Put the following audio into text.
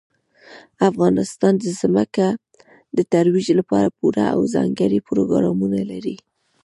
افغانستان د ځمکه د ترویج لپاره پوره او ځانګړي پروګرامونه لري.